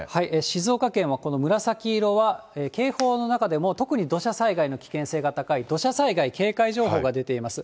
静岡県はこの紫色は、警報の中でも特に土砂災害の危険性が高い、土砂災害警戒情報が出ています。